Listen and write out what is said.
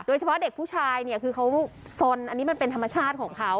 เฉพาะเด็กผู้ชายเนี่ยคือเขาสนอันนี้มันเป็นธรรมชาติของเขา